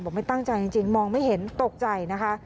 ไม่ตั้งใจจริงมองไม่เห็นตกใจนะคะ